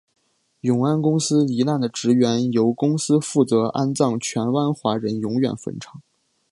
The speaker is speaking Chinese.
永安公司罹难的职员由公司负责安葬荃湾华人永远坟场。